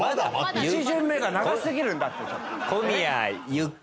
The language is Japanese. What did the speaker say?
１巡目が長すぎるんだって。